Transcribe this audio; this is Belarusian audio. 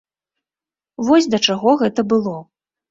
Вось да чаго гэта было.